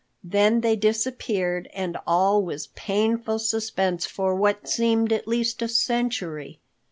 Then they disappeared and all was painful suspense for what seemed at least a century.